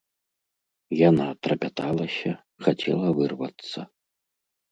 Яна трапяталася, хацела вырвацца.